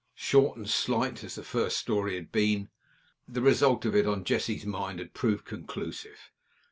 Short and slight as the first story had been, the result of it on Jessie's mind had proved conclusive.